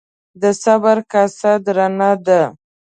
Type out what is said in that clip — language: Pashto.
د صبر کاسه درنه ده.